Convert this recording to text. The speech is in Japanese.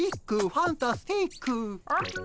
ファンタスティック！